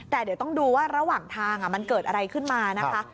แต่เดี๋ยวต้องดูว่าระหว่างทางมันเกิดอะไรขึ้นมานะคะ